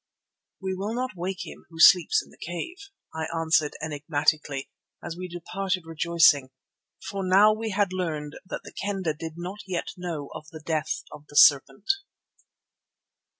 "We shall not wake him who sleeps in the cave," I answered enigmatically, as we departed rejoicing, for now we had learned that the Kendah did not yet know of the death of the serpent.